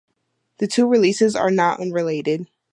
The two releases are not unrelated.